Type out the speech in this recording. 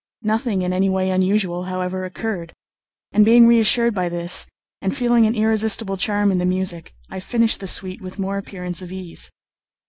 Nothing in any way unusual, however, occurred; and being reassured by this, and feeling an irresistible charm in the music, I finished the suite with more appearance of ease.